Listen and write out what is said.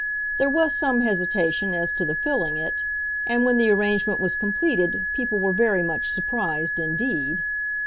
There was some hesitation as to the filling it, and when the arrangement was completed people were very much surprised indeed.